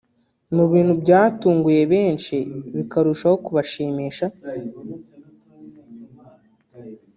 Mu bintu byatunguye benshi bikarushaho kubashimisha